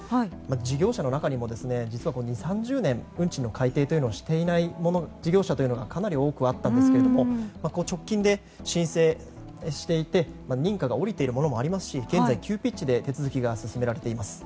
事業者の中にも実は２０３０年運賃の改定をしていない事業者がかなり多くあったんですが直近で、申請していて認可下りているものもありますし現在、急ピッチで手続きが進められています。